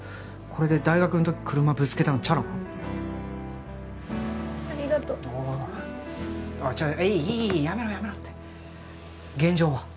これで大学の時車ぶつけたのチャラなありがとうおおちょっいいいいやめろやめろって現状は？